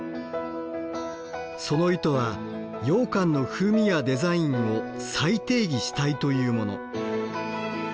その意図はようかんの風味やデザインを再定義したいというもの。